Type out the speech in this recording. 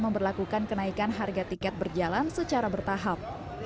memperlakukan kenaikan harga tiket berjalan secara bertahap